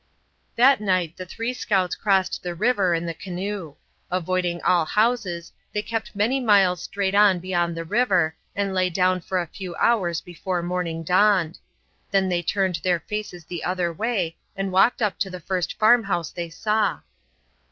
That night the three scouts crossed the river in the canoe. Avoiding all houses, they kept many miles straight on beyond the river and lay down for a few hours before morning dawned; then they turned their faces the other way and walked up to the first farmhouse they saw.